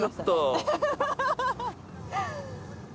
アハハハハ！